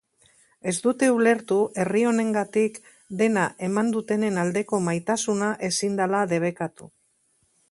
Ez dute ulertu herri honengatik dena eman dutenen aldeko maitasuna ezin dela debekatu.